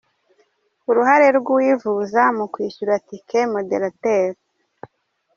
Uruhare rw’uwivuza mu kwishyura “Ticket modérateur”.